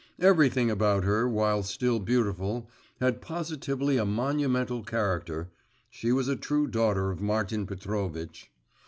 Everything about her, while still beautiful, had positively a monumental character (she was a true daughter of Martin Petrovitch).